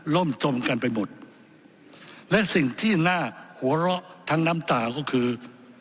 ่มจมกันไปหมดและสิ่งที่น่าหัวเราะทั้งน้ำตาก็คือ